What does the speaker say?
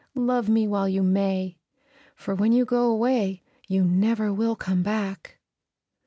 Love me while you may, for when you go away you never will come back."